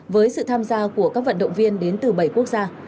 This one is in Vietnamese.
với sự tham gia của các vận động viên đến từ bảy quốc gia